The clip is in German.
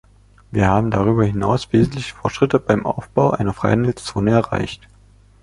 Wir haben darüber hinaus wesentliche Fortschritte beim Aufbau einer Freihandelszone erreicht.